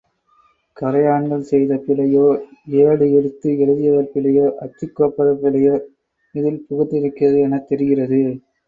கரையான்கள் செய்த பிழையோ, ஏடு எடுத்து எழுதியவர் பிழையோ, அச்சுக்கோப்பவர் பிழையோ இதில் புகுந்திருக்கிறது எனத் தெரிகிறது.